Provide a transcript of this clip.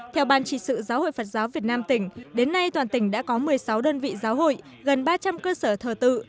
theo ban trị sự giáo hội phật giáo việt nam tỉnh đến nay toàn tỉnh đã có một mươi sáu đơn vị giáo hội gần ba trăm linh cơ sở thờ tự